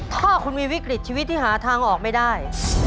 ถ้าคุณมีวิกฤตชีวิตที่หาทางออกไม่ได้